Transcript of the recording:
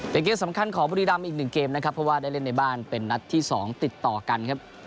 เป็นเกมสำคัญของบุรีรำอีก๑เกมนะครับเพราะว่าได้เล่นในบ้านเป็นนัดที่๒ติดต่อกันครับ